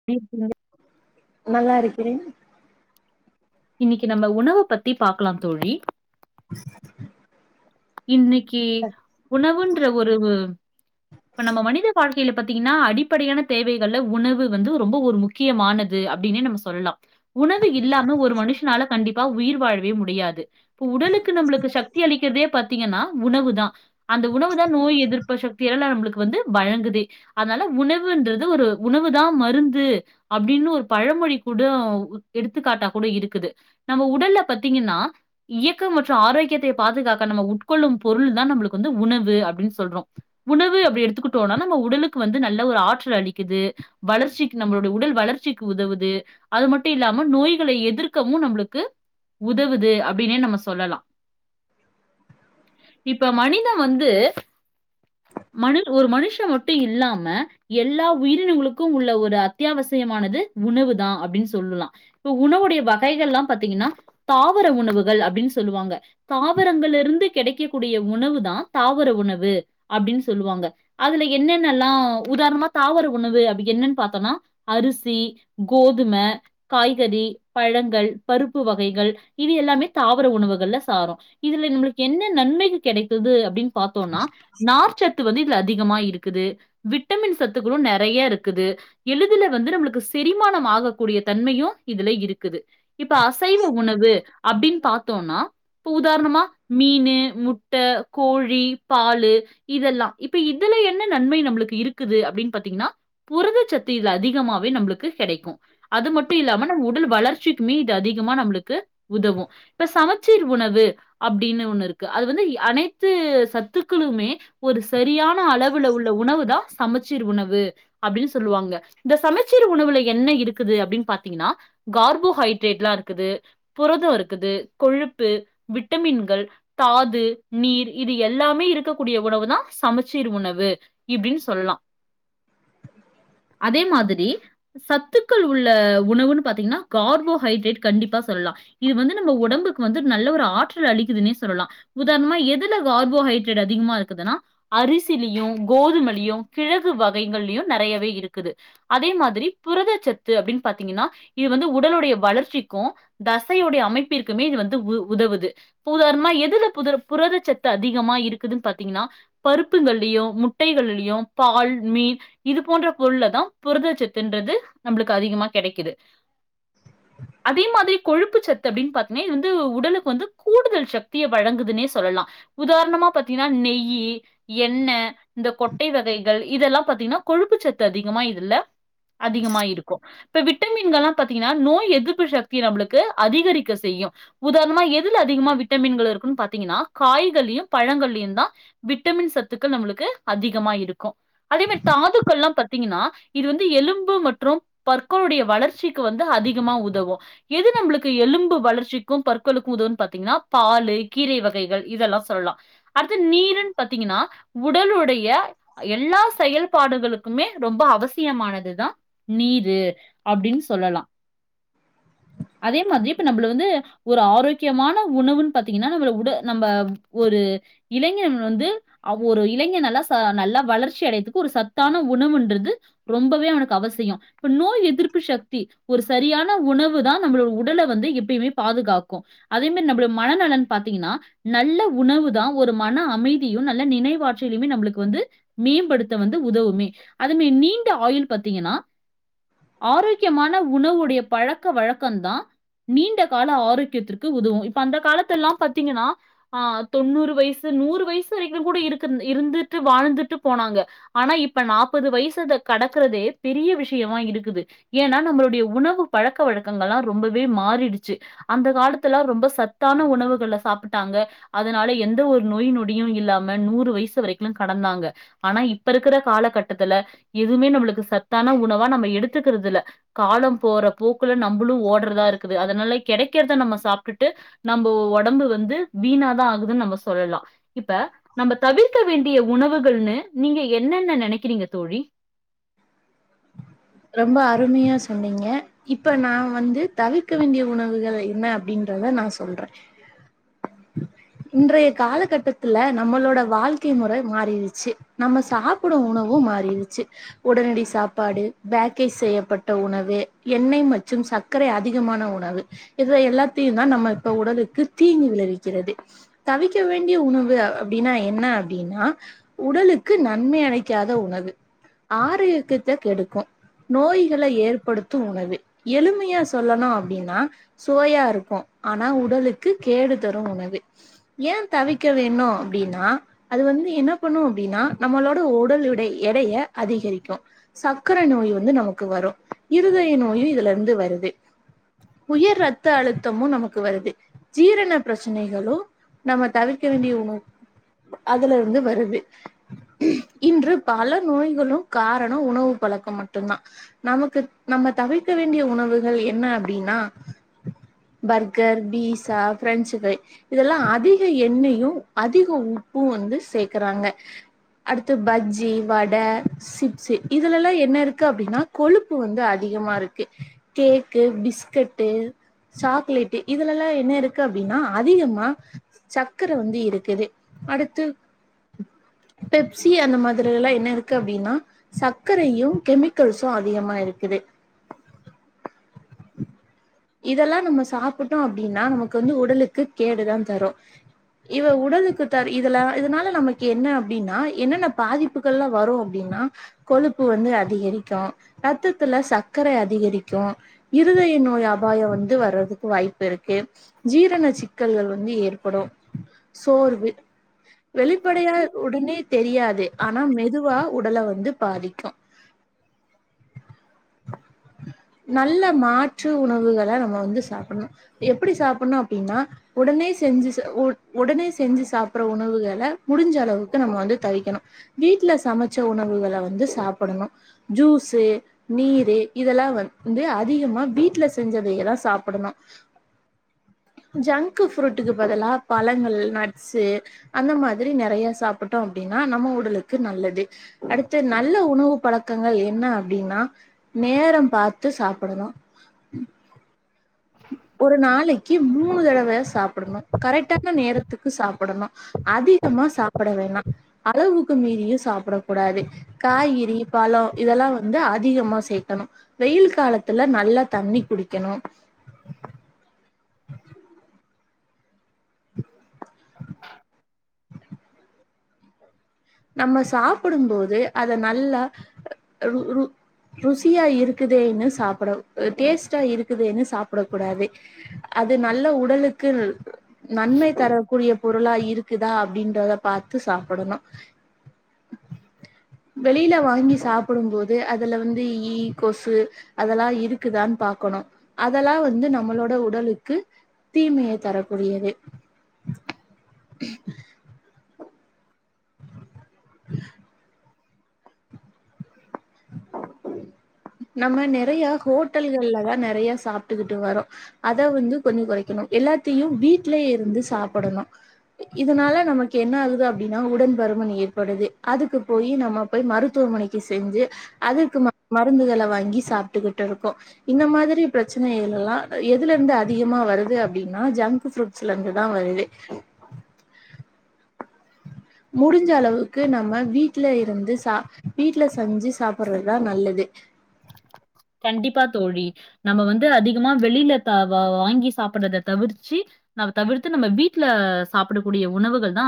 [unintelligible] நல்லாருக்குறேன் இன்னைக்கு நம்ம உணவ பத்தி பாக்கலா தோழி இன்னைக்கு உணவுன்ற ஒருவு இப்ப நம்ம மனித வாழ்க்கைல பாத்தீங்கனா அடிப்படையான தேவைகள்ல உணவு வந்து ரொம்ப ஒரு முக் முக்கியமானது அப்டின்னே நம்ம சொல்லா உணவு இல்லாம ஒரு மனுஷனால கண்டிப்பா உயிர் வாழவே முடியாது இப்ப உடலுக்கு நம்மளுக்கு சக்தி அளிக்கிறதே பாத்தீங்கனா உணவுதா அந்த உணவு தா நோய் எதிர்ப்பு சக்தியல்லா நம்மளுக்கு வந்து வழங்குதே அதனால உணவுன்றது ஒரு உணவு தா மருந்து அப்டின்னு ஒரு பழமொழி கூட எடுத்துக்காட்டா கூட இருக்குது நம்ம உடல்ல பத்தீங்கனா இயக்க மற்றும் ஆரோக்கியத்த பாதுகாக்க நம்ம உட உட் கொள்ளு பொருள் தா நம்மளுக்கு வந்து உணவு அப்டின் சொல்றோ உணவு அப்டி எடுத்துக்கிட்டோனா நம்ம உடலுக்கு வந்து நல்ல ஒரு ஆற்றல் அளிக்குது வளர்ச்சிக்கு நம்மளோட உடல் வளர்ச்சிக்கு உதவுது அது மட்டு இல்லாம நோய்கள எதிர்க்கவு நம்மளுக்கு உதவுது அப்டினே நம்ம சொல்லலா இப்ப மனிதன் வந்து மனு ஒரு மனுஷ மட்டு இல்லாம எல்லா உயிரினங்களுக்கு உள்ள ஒரு அத்தியாவசியமானது உணவு தா அப்டின் சொல்லா இப்ப உணவுடைய வகைகள்ல்லா பாத்தீங்னா தாவர உணவுகள் அப்டின் சொல்லுவாங்க தாவரங்களருந்து கேடைக்கக்கூடிய உணவு தா தாவர உணவு அப்டின் சொல்லுவாங்க அதுல என்னென்னல்லா உதாரணமா தாவர உணவு அப்டி என்னன் பாத்தோன்னா அரிசி கோதும காய்கறி பழங்கள் பருப்பு வகைகள் இது எல்லாமே தாவர உணவுகள்ல சாரு இதுல நம்மளுக்கு என்ன நன்மைகள் கெடைக்குது அப்டின் பாத்தோனா நார் சத்து வந்து இதுல அதிகமா இருக்குது விட்டமின் சத்துகளு நெறய இருக்குது எழுதுல வந்து நம்மளுக்கு செரிமானம் ஆகக்கூடிய தன்மையு இதுல இருக்குது இப்ப அசைவ உணவு அப்டின் பாத்தோனா இப்ப உதாரணமா மீனு முட்ட கோழி பாலு இதெல்லா இப்ப இதுல என்ன நன்மை நம்மளுக்கு இருக்குது அப்டின் பாத்தீங்கன்னா புரத சத்து இதுல அதிகமாவே நம்மளுக்கு கெடைக்கு அது மட்டு இல்லாம நம்ம உடல் வளர்ச்சிக்குமே இது அதிகமா நம்மளுக்கு உதவு இப்ப சமச்சீர் உணவு அப்டினு ஒன்னு இருக்கு அது வந்து அனைத்து சத்துக்களுமே ஒரு சரியான அளவுல உள்ள உணவு தா சமச்சீர் உணவு அப்டின் சொல்லுவாங்க இந்த சமைச்சீர் உணவுல என்ன இருக்குது அப்டின் பாத்தீங்கன்னா கார்போஹைட்ரேட்ல்லா இருக்குது புரதோ இருக்குது கொழுப்பு விட்டமின் கள் தாது நீர் இது எல்லாமே இருக்கக்கூடிய உணவு தா சமச்சீர் உணவு இப்டின் சொல்லா அதே மாதிரி சத்துக்கள் உள்ள உணவுன் பாத்தீங்கனா கார்போஹைட்ரேட் கண்டிப்பா சொல்லா இது வந்து நம்ம உடம்புக்கு வந்து நல்ல ஒரு ஆற்றல் அளிக் குதுனே சொல்லலா உதாரணமா எதுல கார்போஹைட்ரேட் அதிக இருக்குதுன்னா அரிசிலயு கோதுமலயு கிழகு வகைகள்லயு நெறயவே இருக்குது அதே மாதிரி புரதச்சத்து அப்டின் பாத்தீங்கன்னா இது வந்து உடலுடைய வளர்ச்சிக்கு தசையுடைய அமைப்பிற்குமே இது வந்து உ உதவுது புதாரமா எதுல புதர் புரதச்சத்து அதிகமா இருக்குதுன் பாத்தீங்கன்னா பருப்புங்கள்லியு முட்டைகள்லியு பால் மீன் இது போன்ற பொருள்ளதா புரதச்சத்துன்றது நம்மளுக்கு அதிகமா கெடைக்குது அதே மாதிரி கொழுப்பு சத்து அப்டின் பாத்துமே இது வந்து உடலுக்கு வந்து கூடுதல் சக்திய வழங்குதுன்னே சொல்லலா உதாரணமா பாத்தீங்கன்னா நெய்யி எண்ணெ இந்த கொட்டை வகைகள் இதெல்லாம் பாத்தீங்கன்னா கொழுப்பு சத்து அதிகமா இல்ல அதிகமா இருக்கும் இப்ப விட்டமின்கள்லாம் பாத்தீங்கன்னா நோய் எதிர்ப்பு சக்தி நம்மளுக்கு அதிகரிக்க செய்யும் உதாரணமா எ துல அதிகமா விட்டமின்கள் இருக்கும் பாத்தீங்கன்னா காய்கள்ளையும் பழங்கள்லயும் தான் விட்டமின் சத்துக்கள் நம்மளுக்கு அதிகமா இருக்கும் அதே மாரி தாதுக்கள்ல்லாம் பாத்தீங்கன்னா இது வந்து எலும்பு மற்றும் பற்களுடைய வளர்ச்சிக்கு வந்து அதிகமா உதவும் எது நம்பளுக்கு எலும்பு வளர்ச்சிக்கும் பற்களுக்கும் உதம் பாத்தீங்கன்னா பால் கீரை வகைகள் இதெல்லாம் சொல்லலாம் அடுத்து நீருன் பாத்தீங்கன்னா உடலுடைய எல்லா செயல்பாடுகளுக்குமே ரொம்ப அவசியமானதுதான் நீரு அப்டின் சொல்லலாம் அதே மாதிரி இப்ப நம்மள வந்து ஒரு ஆரோக் கியமான உணவுன் பாத்தீங்கன்னா நம்மள உட நம்ப ஒரு இளைஞன் வந்து அவ் ஒரு இளைஞன் நல்லா ச நல்லா வளர்ச்சி அடையர்துக்கு ஒரு சத்தான உணவுன்றது ரொம்பவே அவனக்கு அவசியம் இப்ப நோய் எதிர்ப்பு சக்தி ஒரு சரியான உணவு தான் நம்மளோ உடல வந்து எப்பயுமே பாதுகாக்கும் அதே மாறி நம்ம மனநலன் பாத்தீங்கன்னா நல்ல உணவு தான் ஒரு மன அமைதியும் நல்ல நினைவாற்றலிலுமே நம்மளுக்கு வந்து மேம்படுத்த வந்து உதவுமே அதுமே நீண்ட ஆயுள் பாத்தீங்கன்னா ஆரோக்கியமான உணவுடைய பழக்க வழக்கம் தான் நீண்ட கால ஆரோக்கியத்திற்க் கு உதவும் இப்ப அந்த காலத்தெல்லாம் பாத்தீங்கன்னா ஆ தொண்ணூறு வயசு நூறு வயசு வரைக்கும் கூட இருக்குந் இருந்துட்டு வாழ்ந்துட்டு போனாங்க ஆனா இப்ப நாற்பது வயசு கடக்கறதே பெரிய விஷயமா இருக்குது ஏன்னா நம்மளுடைய உணவு பழக்க வழக்கங்கள்ல்லாம் ரொம்பவே மாறிடுச்சு அந்த காலத் த்துலா ரொம்ப சத்தான உணவுகள்ள சாப்புட்டாங்க அதனால எந்த ஒரு நோய் நொடியும் இல்லாம நூறு வயசு வரைக்கும்லா கடந்தாங்க ஆனா இப்ப இருக்குற காலகட்டத்துல எதுவுமே நம்முளுக்கு சத்தான உணவா நம்ம எடுத்துக்கிறதுல காலோ போற போக்குல நம்மளு ஓடுறதா இருக்குது அதனால கெடைக்கிறத நம்ம சாப் ட்டு நம்ம ஒடம்பு வந்து வீணாதா ஆகுதுன்னு நம்ம சொல்லலா இப்ப நம்ம தவிர்க்க வேண்டிய உணவுகள்னு நீங்க என்னன்ன நெனைக்கிறீங்க தோழி ரொம்ப அருமையா சொன்னீங்க இப்ப நா வந்து தவிர்க்க வேண்டிய உணவுகள் என்ன அப்டின்றத நா சொல்றேன் இன்றைய காலகட்டத்துல நம்மளோட வாழ்க்கை முறை மாறிடுச்சு நம்ம சாப்டும் உணவும் மாறிடுச்சு உடனடி சாப்பாடு பேக்கேஜ் செய்யப்பட்ட உணவு எண்ணெய் மற்றும் சக்கரை அதிகமான உணவு இது எல்லாத்தியும் தான் நம்ம இப்ப உடலுக்கு தீங்கு விளைவிக்கிறது தவிக்க வேண்டிய உணவு அப்டீன்னா என்ன அப்டீன்னா உடலுக்கு நன்மை அடைக்காத உணவு ஆரோக்கியத்த கெடுக்கும் நோய்களை ஏற்படுத்தும் உணவு எளிமையா சொல்லணும் அப்டின்னா சுவையா இருக்கும் ஆனா உடலுக்கு கேடு தரும் உணவு ஏ தவிக்க வேணு அப்டீன்னா அது வந்து என்ன பண்ணோ அப்பீடின்னா நம்மளோட ஒடல் எடை எடைய அதிகரிக்கோ சக்கரை நோய் வந்து நமக்கு வரோ இருதய நோயு இதுல இருந்து வருது உயர் ரத்த அழுத்தமு நமக்கு வருது ஜீரண பிரச்சனைகளு நம்ம தவிர்க்க வேண்டிய உணவு அதுல இருந்து வருது இன்று பல நோய்களு காரணோ உணவு பழக்கோ மட் டுந்தா நமக்கு நம்ம தவிர்க்க வேண்டிய உணவுகள் என்ன அப்டீன்னா பர்கர் பீசா பிரெஞ்சு ப்ரை இதெல்லா அதிக எண்ணெயு அதிக உப்பு வந்து சேக்குறாங்க அடுத்து பஜ்ஜி வட சிப்ஸு இதுலல்லா என்ன இருக் இருக்கு அப்டீன்னா கொழுப்பு வந்து அதிகமா இருக்கு கேக்கு பிஸ்கட்டு சாக்லேட்டு இதுலெல்லா என்ன இருக்கு அப்டீன்னா அதிகமா சக்கர வந்து இருக்குது அடுத்து பெப்சி அந்த மாதிரில்லா என்ன இருக்கு அப்டீன்னா சர்க்கரையு கெமிக் கல்ஸு அதிகமா இருக்குது இதெல்லா நம்ம சாப்புட்டோ அப்டீன்னா நமக்கு வந்து உடலுக்கு கேடுதா தரு இவ உடலுக்கு தர் இதுல இதனால நமக்கு என்ன அப்டீன்னா என்னென்ன பாதிப் க்கலா வரு அப்டீன்னா கொழுப்பு வந்து அதிகரிக் கு ரத்தத்துல சக்கரை அதிகரிக்கு இருதய நோய் அபாயோ வந்து வர்றதுக்கு வாய்ப்பு இருக்கு ஜீரன சிக்கல்கள் வந்து ஏற்படு சோர்வு வெளிப்படையா உடனே தெரியாது ஆனா மெதுவா உடல வந்து பாதிக்கோ நல்ல மாற்று உணவுகள நம்ம வந்து சாப்புட்ணோ எப்டி சாப்புட்ணோ அப்டீன்னா உடனே செஞ்சு ச உ உடனே செஞ்சு சாப்டுற உணவுகள முடிஞ்ச அளவுக்கு நம்ம வந்து தவிக்கணோ வீட்ல சமைச்ச உணவுகள வந்து சாப்புடணோ ஜூஸு நீரு இதெல்லா வந்து அதிகமா வீட்ல செஞ்சதயேதா சாப்புடுணோ ஜங்க்கு ஃபுருட்டுக்கு பதிலா பழங்கள் நட்ஸு அந்த மாதிரி நறைய சாப்புட்டோ அப்டீன்னா நம்ம உடலுக்கு நல்லது அடுத்து நல்ல உணவு பழக் கங்கள் என்னா அப்டீன்னா நேரோ பாத்து சாப்புடனோ ஒரு நாளைக்கு மூணு தடவயாது சாப்டுணு கரெக்டா பசிக்கிற நேரத்துக்கு சாப்டணு அதிகமா சாப்ட வேணா அளவுக்கு மீறியு சாப்ட கூடாது காய்கிறி பலோ இதெல்லா வந்து அதிகமா சேக்கணு வெயில் காலத்துல நல்லா தண்ணி குடிக்குணு நம்ம சாப்புடும்போது அத நல்லா ரு ரு ருசியா இருக்குதேன்னு சாப்ட டேஸ்ட்டா இருக்குதேன்னு சாப்ட கூடாது அது நல்ல உடலுக்கு நன்மை தரக்கூடிய பொருளா இருக்குதா அப்டின்றத பாத்து சாப்புடணோ வெளில வாங்கி சாப்டும்போது அதுல வந்து ஈ கொசு அதெல்லா இருக்குதா பாக்கணோ அதெல்லா வந்து நம்மளோட உடலுக்கு தீமைய தரக்கூடியது நம்ம நெறையா ஹோட்டல்கள்லதா நெறையா சாப்ட்டுக்கிட்டு வர்றோ அத வந்து கொஞ்சோ குறைக்குணு எல்லாத்தையு வீட்லயே இருந்து சாப்டுணு இதனால நமக்கு என்ன ஆகுது அப்டின்னா உடன்பருமன் ஏற்படுது அதுக்கு போயி நம்ம போய் மருத்துவமனைக்கு செஞ்சு அதுக்கு மா மருந்துகள வாங்கி சாப்ட்டுக்கிட்டு இருக்கோ இந்த மாதிரி பிரச்சனைகள் எல்லா எதுல இருந்து அதிகமா வருது அப்டின்னா ஜங்க்கு ஃப்ரூட் [unintelligible] லருந்து தா வருது முடிஞ்ச அளவுக்கு நம்ம வீட்ல இருந்து சா வீட்ல செஞ்சு சாப்டுறதா நல்லது கண்டிப்பா தோழி நம்ம வந்து அதிகமா வெளியில த ப வாங்கி சாப்பிடுறத தவிர்ச்சு அது தவிர்த்து நம்ம வீட்ல சாப்பிடக்கூடிய உணவுகள் தா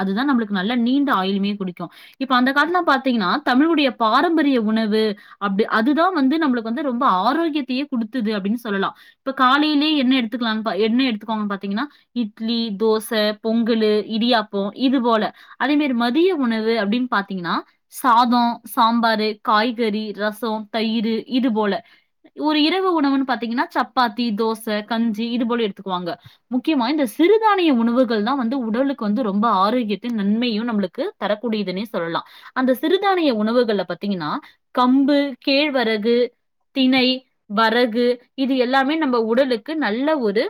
அதுதா நம்மளுக்கு நல்ல நீண்ட ஆயிலுமே குடுக்கு இப்ப அந்த காலத்துல்லா பாத்தீங்ன்னா தமிழுடைய பாரம்பரிய உணவு அப்டி அதுதா வந்து நம்மளுக்கு வந்து ரொம்ப ஆரோக்கியத்தையே குடுத்துது அப்டின்னு சொல்லலா இப்ப காலைலயே என்ன எத்துக்கலாம்னு என்ன எடுத்துக்கோங்கன்னு பாத்தீங்கன்னா இட்லி தோச பொங்கலு இடியாப்போ இது போல அதே மாரி மதிய உணவு அப்டின்னு பாத்தீங்கன்னா சாதோ சாம்பாரு காய்கறி ரசொ தயிரு இது போல ஒரு இரவு உணவுன்னு பாத்திங்கன்னா சப்பாத்தி தோச கஞ்சி இது போல எடுத்துக்குவாங்க முக்கியமா இந்த சிறுதானிய உணவுகள் தா வந்து உடலுக்கு வந்து ரொம்ப ஆரோக்கியத்தையு நன்மையு நம்மளுக்கு தரக்கூடியதுன்னே சொல்லா அந்த சிறுதானிய உணவுகள்ல பாத்தீங்கன்னா கம்பு கேழ்வரகு திணை வரகு இது எல்லாமே நம்ம உடலுக்கு நல்ல ஒரு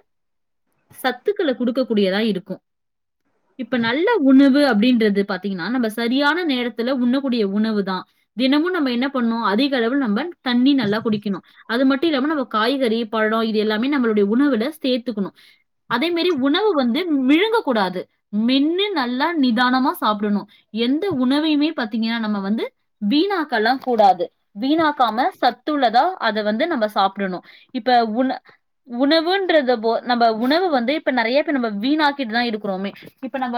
சத்துக்கள குடுக்க கூடியதா இருக்கு இப்ப நல்ல உணவு அப்டின்றது பாத்தீங்கன்னா நம்ம சரியான நேரத்துல உண்ணக்கூடிய உணவு தா தினமு நம்ம என்ன பண்ணு அதிக அளவு நம்ம தண்ணி நல்லா குடிக்குணு அது மட்டு இல்லாம நம்ம காய்கறி பழொ இது எல்லாமே நம்மளுடைய உணவுல சேத்துக்கணு அதே மாரி உணவு வந்து மிழுங்க கூடாது மென்னு நல்லா நிதானமா சாப்புடுணு எந்த உணவுயேமே பாத்தீங்கன்னா நம்ம வந்து வீணாக்கல்லா கூடாது வீணாக்காம சத்துள்ளதா அத வந்து நம்ம சாப்டுணு இப்ப உண் உணவுன்றத போ நம்ம உணவு வந்து இப்ப நெறைய பேர் நம்ம வீணாக்கிட்டுதா இருக்கறோமே இப்ப நம்ம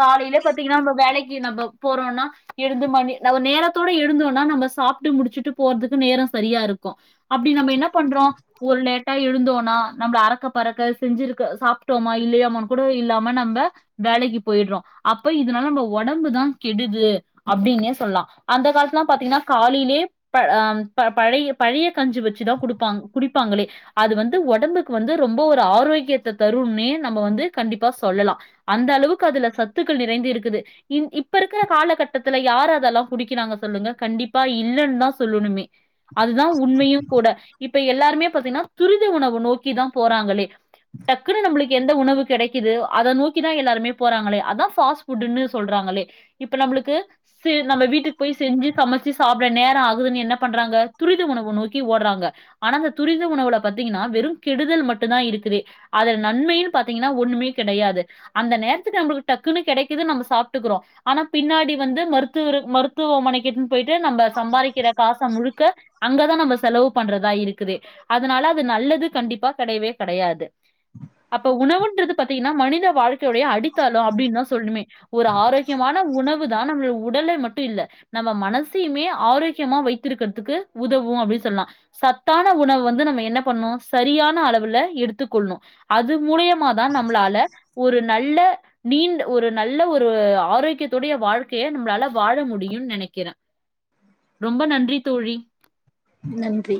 காலையில பாத்தீங்கன்னா நம்ம வேலைக்கு நம்ப போறோம்னா இருந்து மணி நம்ம நேரத்தோட எழுந்தோன்னா நம்ம சாப்ட்டு முடுச்சுட்டு போறதுக்கு நேரோ சரியா இருக்கு அப்டி நம்ம என்ன பண்றோ ஒரு லேட்டா எழுந்தோனா நம்மள அறக்க பறக்க செஞ்சிருக்க சாப்ட்டோமா இல்லையோமானு கூட இல்லாம நம்ப வேலைக்கி போயிட்றோ அப்ப இதுனால நம்ம உடம்பு தா கெடுது அப்டின்னே சொல்லா அந்த காலத்துலலா பாத்தீங்கன்னா காலேலயே ப அ ம் பழைய பழைய கஞ்சு வச்சுதா குடுப்பாங்க குடிப்பாங்களே அது வந்து ஒடம்புக்கு வந்து ரொம்ப ஒரு ஆரோக்கியத்த தரும்னே நம்ம வந்து கண்டிப்பா சொல்லலா அந்த அளவுக்கு அதுல சத்துக்கள் நிறைந்து இருக்குது இன் இப்ப இருக்கிற காலகட்டத்துல யாரு அதல்லா குடிக்கிறாங்க சொல்லுங்க கண்டி ப்பா இல்லன் தா சொல்லணுமே அதுதா உண்மையு கூட இப்ப எல்லாருமே பாத்தீங்கன்னா துரித உணவு நோக்கி தா போறாங்களே டக்குன்னு நம்மளுக்கு எந்த உணவு கிடைக்குது அத நோக்கிதா எல்லாருமே போறாங்கலே அதா ஃபாஸ்ட் ஃபுட்னு சொல்றாங்களே இப்ப நம்முளுக்கு நம்ம வீட்டுக்கு போய் செஞ்சு சமைச்சு சாப்பட நேரொ ஆகுதுன்னு என்ன பண்றாங்க துரித உணவு நோக்கி ஓடுறாங்க ஆனா அந்த துரித உணவுல பாத்தீங்கன்னா வெறும் கெடுதல் மட்டு தா இருக்குதே அதல நன்மைன்னு பாத்தீங்கன்னா ஒண்ணுமே கெடையாது அந்த நேரத்துக்கு நம்மளுக்கு டக்குன்னு கெடைக்குது நம்ம சாப்ட்டுக்குறோ ஆனா பின்னாடி வந்து மருத்துவர் மருத்துவமனைக்கு இட்டுனு போயிட்டு து நம்ம சம்பாரிக்கிற காச முழுக்க அங்கதா நம்ம செலவு பண்ற தா இருக்குது அதுனால அது நல்லது கண்டிப்பா கெடையவே கெடையாது அப்ப உணவுன்றது பாத்தீங்கன்னா மனித வாழ்க்கையோட அடித்தளோ அப்டின் தா சொல்னுமே ஒரு ஆரோக்கியமான உணவு தா நம்மள உடலை மட்டு இல்ல நம்ம மனசு எப்பயுமே ஆரோக்கியமா வைத்திருக்கறதுக்கு உதவு அப்டி சொல்லா சத்தான உணவு வந்து நம்ம என்ன பண்ணணு சரியான அளவுல எடுத்துக்கொள்ணு அது மூலிய ப்ப தா நம்மளால ஒரு நல்ல நீண்ட் ஒரு நல்ல ஒரு ஆரோக்கியத்துடைய வாழ்க்கைய நம்மளால வாழ முடியுன் நெனைக்கிறே ரொம்ப நன்றி தோழி நன்றி